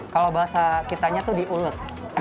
kalau bahasa kitanya itu diulut